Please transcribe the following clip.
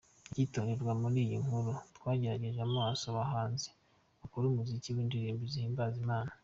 Icyitonderwa: Muri iyi nkuru twarengeje amaso abahanzi bakora umuziki w’indirimbo zihimbaza Imana.